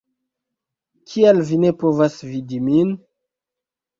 Kial vi ne povas vidi min?